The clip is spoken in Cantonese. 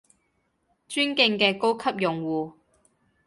尊敬嘅高級用戶